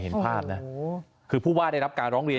เห็นภาพนะคือผู้ว่าได้รับการร้องเรียน